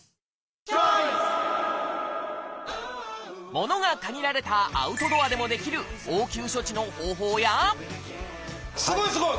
物が限られたアウトドアでもできる応急処置の方法やすごいすごい！